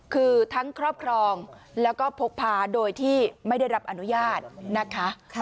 คือทั้งครอบครองแล้วก็พกพาโดยที่ไม่ได้รับอนุญาตนะคะ